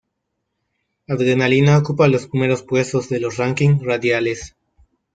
Adrenalina ocupa los primeros puestos de los ranking radiales.